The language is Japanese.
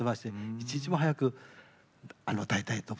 一日も早く歌いたいと。